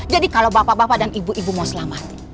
jadi kalau bapak bapak dan ibu ibu mau selamat